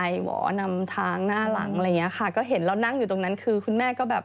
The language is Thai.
หมอนำทางหน้าหลังอะไรอย่างเงี้ยค่ะก็เห็นเรานั่งอยู่ตรงนั้นคือคุณแม่ก็แบบ